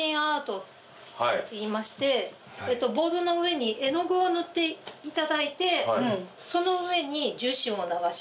ボードの上に絵の具を塗っていただいてその上に樹脂を流します。